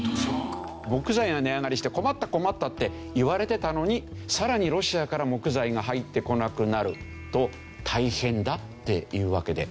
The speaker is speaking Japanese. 木材が値上がりして困った困ったって言われてたのにさらにロシアから木材が入ってこなくなると大変だっていうわけで。